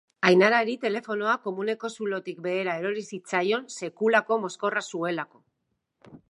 Ainarari telefonoa komuneko zulotik behera erori zitzaion sekulako mozkorra zuelako.